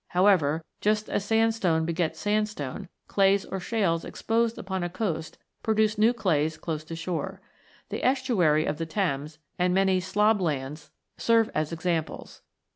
However, just as sandstone begets sandstone, clays or shales exposed upon a coast produce new clays close to shore. The estuary of the Thames and many "slob lands" serve as examples.